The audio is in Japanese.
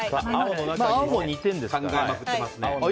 青も２点ですから。